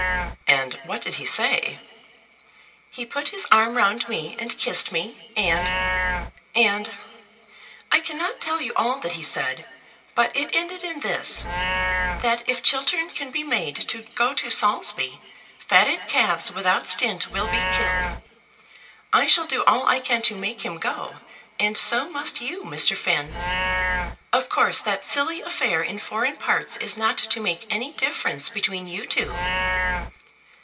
"And what did he say?" "He put his arm round me and kissed me, and, and, I cannot tell you all that he said. But it ended in this, that if Chiltern can be made to go to Saulsby, fatted calves without stint will be killed. I shall do all I can to make him go; and so must you, Mr. Finn. Of course that silly affair in foreign parts is not to make any difference between you two."